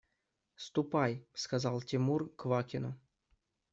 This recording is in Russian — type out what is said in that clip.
– Ступай, – сказал тогда Тимур Квакину.